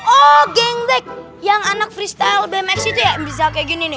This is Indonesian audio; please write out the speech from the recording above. oh gengsek yang anak freestyle bmx itu ya bisa kayak gini nih